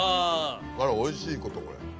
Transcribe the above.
あらおいしいことこれ。